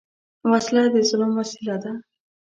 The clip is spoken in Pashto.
وسله د ظلم وسیله ده